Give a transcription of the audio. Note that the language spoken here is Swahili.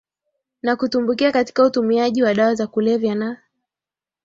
Na kutumbukia katika utumiaji wa dawa za kulevya na